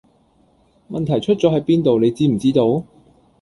問題出左係邊度你知唔知道?